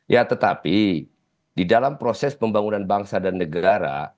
ya tetapi di dalam proses pembangunan bangsa dan negara